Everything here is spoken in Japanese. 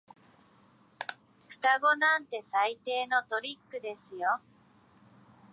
双子なんて最低のトリックですよ。